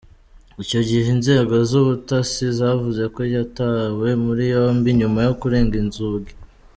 Icyo gihe inzego z'ubutasi zavuze ko yatawe muri yombi nyuma yo kurenga inzugi.